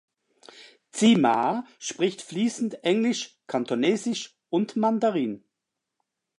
Tzi Ma spricht fließend Englisch, Kantonesisch und Mandarin.